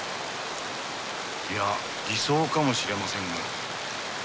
いや偽装かもしれませんが。